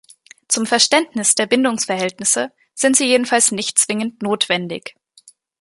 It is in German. Zum Verständnis der Bindungsverhältnisse sind sie jedenfalls nicht zwingend notwendig.